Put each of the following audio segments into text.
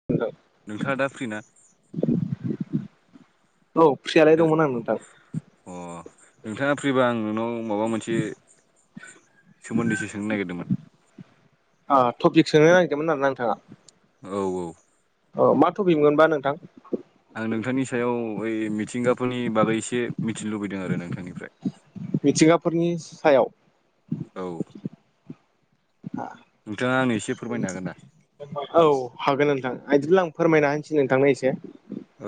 [unintelligible] नोंथाङा दा फ्रि ना? औ फ्रियालाय हेल दंमोन आं नोंथां। अ नोंथाङा फ्रिबा आं नोंनाव माबा मोनसे सोमोन्दैसो सोंनो नागिरदोंमोन ओ टपिक सोंनो नागिरदोंमोन आरोा नोंथाङा? औ औ अ मा थफिक मोनबा नोंथां? आं नोंथांनि सायाव ओइ मिथिंगाफोरनि बागै एसे मिथिनो लुबैदों आरो नोंथांनिफ्राय। मिथिंगाफोरनि सायाव? औ नोंथाङा आंनो एसे फोरमायनो हागोन दा? औ हागोन नोंथां बिदिब्ला आं फोरमायना होनसै नोंथांनो एसे।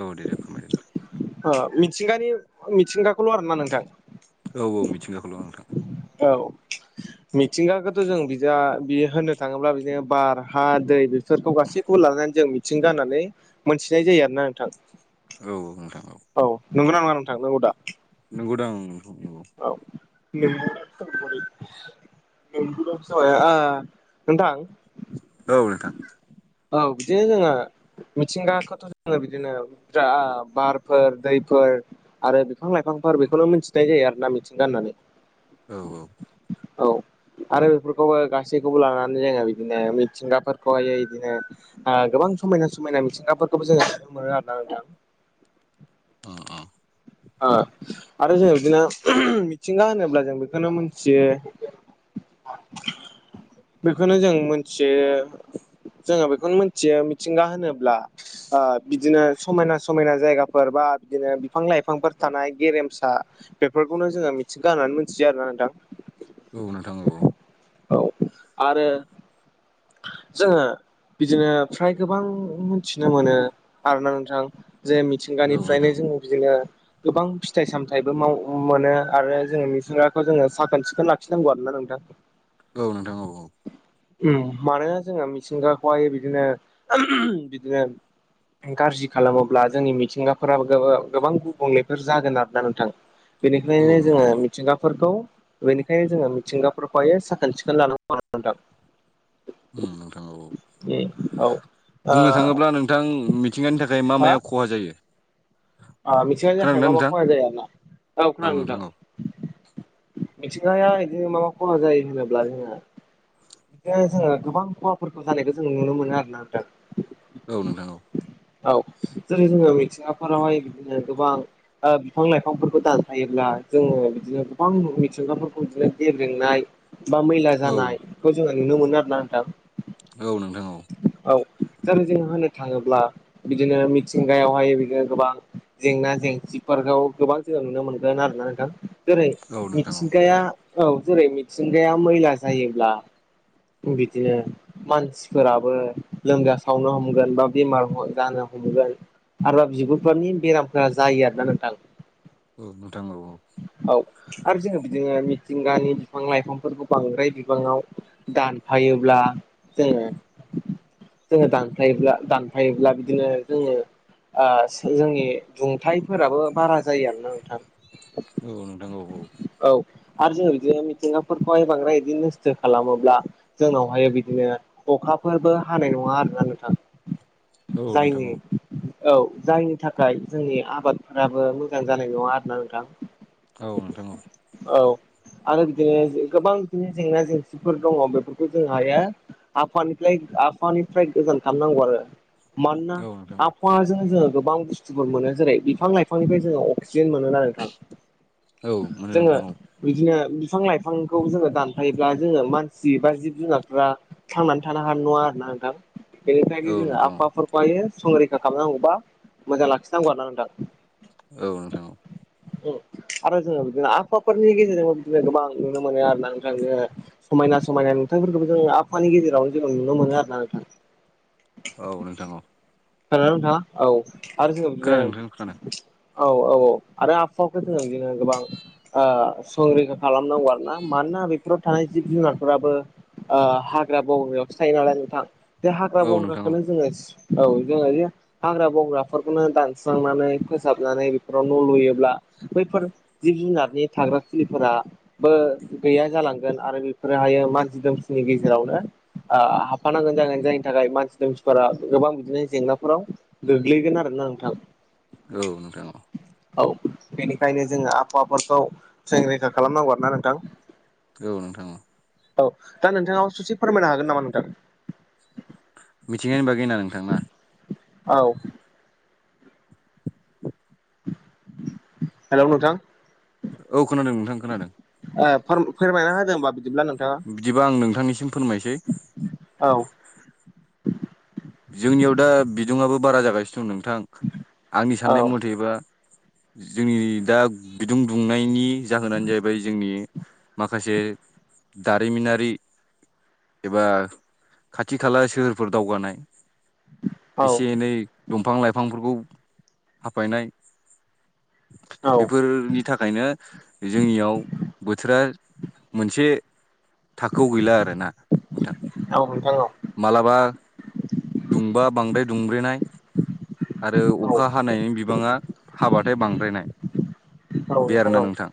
औ दे दे फोरमायदो। ओ मिथिंगानि मिथिंगाखौल' आरोना नोंथां? औ औ मिथिंगाखौल' नोंथां। औ मिथिंगाखौथ' जों बिजा बियो होनो थाङोब्ला बिदिनो बार हा दै बेफोरखौ गासैखौबो लानानै जों मिथिंगा होनानानै मोनथिनाय जायो आरो ना नोंथां‌। औ नोंथां औ औ नंगौ नङा नोंथां नंगौदा? नोंगौदां उम नोंगौ नोंगौ औ [unintelligible] नोंथां औ नोंथां औ बिदिनो जोङो मिथिंगाखौथ' जोङो बिदिनो बि बार फोर दैफोर आरो बिफां लाइफांफोर बेखौनो मिथिनाय जायो आरो ना मिथिंगा होननानै औ औ औ आरो बेफोरखौबो गासैखौबो लानानै जोङो बिदिनो मिथिंगाफोरखौहाय बिदिनो ओ गोबां समायना समायना मिथिंगाफोरखौबो जोङो नुनो मोनो आरोना नोंथां अ अ ओ आरो जोङो बिदिनो मिथिंगा होनोब्ला जों बेखौनो मिथियो [unintelligible] बेखौनो जों मिथियो जोङो बेखौनो मिथियो मिथिंगा होनोब्ला बिदिनो समायना समायना जायगाफोर बा बिदिनो बिफां लाइफां बिफांफोर थानाय गेरेमसा बेफोरखौनो जोङो मिथिंगा होननानै मिथियो आरोना नोंथां औ नोंथां नंगौ औ आरो जोङो बिदिनो फ्राय गोबां मिथिनो मोनो आरोना नोंथां जे औ मिसिंगानिफ्रायनो नोंथां जोङो बिदिनो गोबां फिथाइ सामथायाइबो माव मोनो आरो जोङो मिथिंग्राखौ जोङो साखोन सिखोन लाख खिनांगौ आर ना नोंथां औ नोंथां औ मानोना जोङो मिथिंगाखौहाय बिदिनो बिदिनो गाज्रि खालामोब्ला जोंनि मिथिंगाफोराबो गो गोबां गुबुंलेफोर जागोन आरोना नोंथां औ बेनिखायनो जोङो नोंथां औ मिथिंगाफोरखौ बेनिखायनो जोङो मिथिंगाफोरखौहायो साखोन सिखोन लानांगौ नोंथां अ नोंथां औ औ। बुंनो थाङोब्ला नोंथां मिथिंगानि थाखाय मा माया खहा जायो मिथिंगानि जाहाय खोनादोंना मा मा नोंथां खहा जाया ना औ खोनानो नोंथां औ नोथां मिथिंगाया इदिनो माबा खहा जायो होनोब्ला जोंङो बिनो जोङो गोबां मुवाफोरखौ जानायखौ जों नुनो मोनो आरोना दा औ नोंथां औ औ जेरै जोङो मिथिंगाफोरावहाय बिदिनो गोबां बिफां लाइफांफोरखौ दानाथायायोब्ला जोङो बिदिनो गोबां मिथिंगाफोरखौ बिदिनो गेब्रेंनाय बा मैला औ जानाय बेखौ जोङो नुनो मोनो आरो ना नोंथां औ नोंथां औ औ जेरै जोंङो होननो थाङोब्ला बिदिनो मिथिंगायावहाय बिदिनो गोबां जेंना जेंसिफोरखौ गोबां जोहयाव नुनो मोनगोन आरोना नोंथां जेरै औ नोंथां औ मिथिंगाया औ जेरै मिथिंगाया मैला जायोब्ला बिदिनो मानसिफोराबो लोमजा सावनो हमगोन बा बेमार जानो हमगोन आरोबा बिगुरफोरनि बेरामफोरा जायो आरोना नोंथां औ नोंथाङौ औ औ आरो जोङो बिदिनो मिथिंगानि बिफां लाइफांफोरखौ बांद्राय बिबाङाव दानफायोब्ला जोङो जोङो दानफायोब्ला दानफायोब्ला बिदिनो जोङो जोंनि दुंथाइफोराबो बारा जायो आरोना नोंथां औ नोंथां औ औ आरो जोङो बिदिनो मिथिंगाफोरखौहाय बांद्राय इदि नस्थ' खालामोब्ला जोंनावहाय बिदिनो अखाफोरबो हानाय नङा आरोना नोंथां औ नोंथां जायनि औ जायनि थाखाय जोंनि आबादफोराबो मोजां जानाय नङा आरोना नोंथां औ नोंथां औ औ आरो बिदिनो गोबां बिदिनो जेंना जेंसिफोर दङ बेफोरखौ जों हायो आफानिफ्राय आफानिफ्राय गोजान खालामनांगौ आरो मानोना औ नोंथां औ आबहावाजोंनो जोङो गोबां बुस्थुफोर मोनो जेरै बिफां लाइफांनिफ्राय जोङो अक्सिजेन मोनोना नोंथां औ मोनो जोङो नोंथां औ बिदिनो बिफां लाइफांखौ जोङो दानफायोब्ला जोङो मानसि बा जिब जुनारफ्रा थांनानै थानो हानाय नङा आरोना नोंथां औ बेनिफ्रायनो जोङो नोंथां आबहावाफोरखौहायो संरैखा खालामनांगौबा मोजां लाखिनांगौ आरोना नोंथां औ नोंथां आरो जोङो बिदिनो आफाफोरनि गेजेरजोंबो बिदिनो गोबां नुनो मोनो आरोना नों जोङो समायना समायना नुथाइफोरखौबो जोङो आबहावानि गेजेरावनो जों नुनो मोनो आरो ना नोंथां। औ नोंथां औ खोनादोंना नथाङा औ आरो जोङो बिदिनो खोनादों नोंथां खोनादों औ औ औ आरो आबहावाखौ जोङो बिदिनो गोबां संरैखा खालामनांगौ आरो ना मानोना बेफोराव थानाय जिब जुनारफोराबो हाग्रा बंग्रायावसो थायो नालाय नोंथां बे हाग्रा औ नोंथां औ बंग्राखौनो जोङो औ जोङो हाग्रा बंग्राफोरखौनो दानस्रांनानै फोसाबनानै बेफोराव न' लुयोब्ला बैफोर जिब जुनारनि थाग्रा खुलिफोरा बो गैया जालांगोन आरो बेफोरोहायो मानसि दुमसिनि गेजेरावनो ओ हाबफानांगोन जागोन जायनि थाखाय मानसि दुमसिफोरा गोबां बिदिनो जेंनाफोराव गोग्लैगोन आरोना नोंथां। औ नोंथां औ औ बेनिखायनो जोङो आबहावाफोरखौ संरैखा खालामनांगौ आरोना नोंथां। औ नोंथां औ औ दा नोंथाङावबो ससे फोरमायनो हागोन नामा नोंथां? मिथिंनायनि बागैना नोंथां? ना औ हेलौ नोंथां औ खोनादों नोंथां खोनादों ओ फोर-फोरमायना होदों होमबा बिदिब्ला नों बिदिबा आं नोंथांनिसिम फोरमायसै औ जोंनियाव दा बिदुङाबो बारा जागासिनो दं नोंथां आंनि औ साननाय मथेबा जोंनि दा बिदुं दुंनायनि जाहोनानो जाहैबाय जोंनि माखासे दारिमिनारि एबा खाथि खाला सोहोरफोर दावगानाय। औ एसे एनै दंफां लाइफांफोरखौ हाफायनाय औ बेफोरनि थाखायनो जोंनियाव बोथोरा मोनसे थाखोआव गैला आरोना नोंथां। औ नोंथां औ मालाबा दुंबा बांद्राय दुंब्रेनाय आरो औ अखा हानायनि बिबाङा हाबाथाय बांद्रायनाय औ औ बे आरोना औ नोंथां।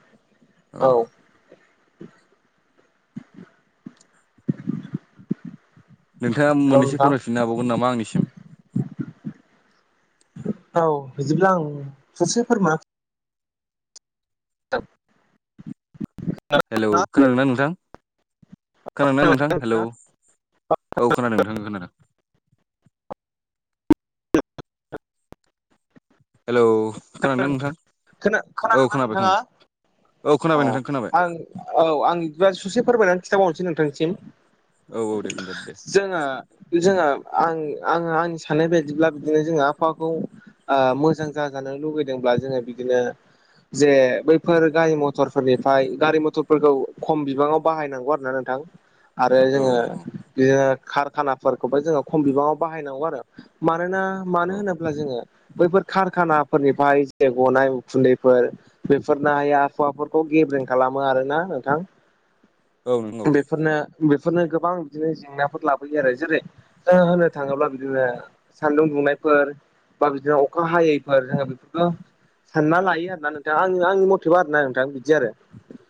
औ नोंथाङा हेलौ मोननैसो नोंथां फोरमायथिनो हाबावगोन नामा आंनिसिम? औ बिदिब्ला आं ससे फोरमाय [unintelligible] हेलौ खोनादोंना नोंथां? खोनादों ना नोंथां? हेलौ औ खोनादों नोंथांखौ खोनादों हेलौ खोनादों ना नोंथां खोना औ खोनादोंना खोनाबाय नोंथाङा खोनाय औ खोनाबाय नोंथां खोनाबाय। आं औ आं बिदिबा ससे फोरमायनानै खिन्थाबावनोसै नोंथांसिम। औ औ दे खोन्थादो दे। जोंहा आं आङो आंनि साननाय बायदिब्ला बिदिनो जों आबहावाखौ ओ मोजां जाजानो लुगैदोंब्ला जोङो बिदिनो जे बैफोर गारि मथरफोरनिफ्राय गारि मथरफोरखौ खम बिबाङाव बाहायनांगौ आरो ना नोंथां आरो औ जोङो नोंथां औ बिदिनो कारखानाफोरखौबो जोङो खम बिबाङाव बाहायनांगौ आरो मानोना औ मानो होनोब्ला जोङो बैफोर खारखानाफोरनिफ्राय जे गनाय उखुन्दैफोर बेफोरनो आबहावाफोरखौ गेब्रें खालामो आरोना नोंथां। औ नंगौ फोरनो बेफोरनो गोबां बिदिनो जेंनाफोर लाबोयो आरो जेरै ओ होननो थाङोब्ला बिदिनो सान्दुं दुंनायफोर बा बिदिनो अखा हायै जोंहा बेफोरखौथ' सानना लायो आरोना नोंथां आङो आंनि मथेबा आरोना नोंथां बिदि आरो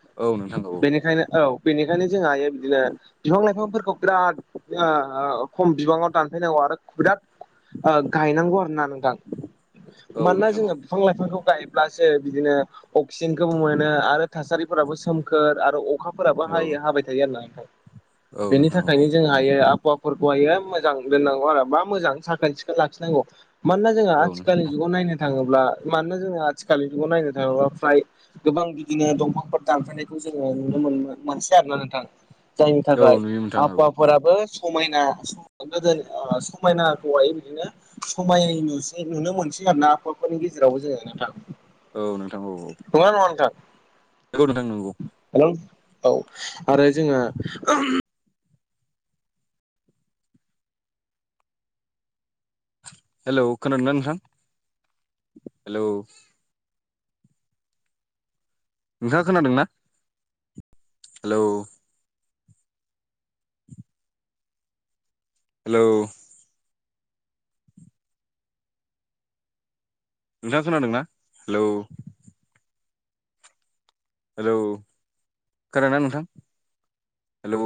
औ औ नोंथां औ बेनिखायनो औ बेनिखायनो जोंहा बिदिनो बिफां लाइफांफोरखौ बिराद ओ खम बिबाङाव दानफायनांगौ आरो बिराद ओ गायनांगौ आरो ना नोंथां। औ मानोना नोंथां औ जोङो बिफां लाइफांखौ गायब्लासो बिदिनो अक्सिजेनखौबो मोनो आरो थासारिफोराबो सोमखोर आरो अखाफोराबो औ हायो हाबाय थायो आरो ना नोथां औ बेनि नोंथां औ थाखायनो जोङो हायो आबहावाफोरखौहायो मोजां दोननांगौ आरो मोजां साखोन सिखोन लाखिनांगौ। मानोना जोङो औ आथिखालनि जुगाव नायनो थाङोब्ला मानोना जोङो आथिखालनि जुगाव नायनो थाङोब्ला फ्राय गोबां बिदिनो दंफांफोर दानफायनायखौ जोङो नुनो मोनो मोनसेै आरोना नोंथां। जायनि औ थाखाय नुयो नोंथां औ आबहावाफोराबो समायना गोदो ओ समायनाखौहाय बिदिनो समाय नुसै नुनो मोनसै आरो ना आबहाफोरनि गेजेरावबो जोङो नोंथां औ नोंथां औ औ नंगौ ना नङा नोंथां नंगौ नोंथां नंगौ हेलौ औ आरो जोङो हेलौ खोनादों ना नोंथां हेलौ नोंथाङा खोनादों ना? हेलौ हेलौ नोंथाङा खोना दोंना हेलौ? हेलौ खोनादों ना नोंथां हेलौ?